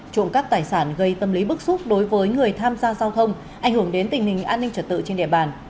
trụng các tài sản gây tâm lý bức xúc đối với người tham gia giao thông ảnh hưởng đến tình hình an ninh trật tự trên đề bàn